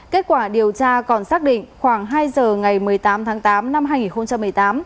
kết quả điều tra còn xác định khoảng hai giờ ngày một mươi tám tháng tám năm hai nghìn một mươi tám